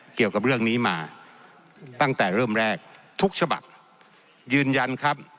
เกี่ยวกับเรื่องนี้มาตั้งแต่เริ่มแรกทุกฉบับยืนยันครับ